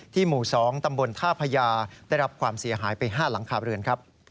หมู่๒ตำบลท่าพญาได้รับความเสียหายไป๕หลังคาเรือนครับ